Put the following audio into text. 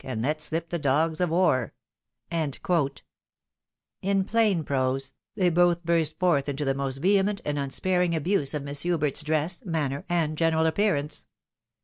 and let slip the dogs of war 1 In plain prose, they both burst forth into the most vehement and unsparing abuse of Miss Hubert's dress, manner, and general appearance.